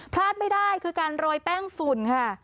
พลาดไม่ได้คือการโรยแป้งฝุ่นค่ะ